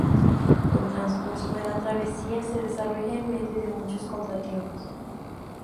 El transcurso de la travesía se desarrolla en medio de muchos contratiempos.